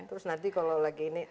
terus nanti kalau lagi ini